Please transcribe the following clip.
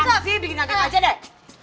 akan sih bikin tante kajet eh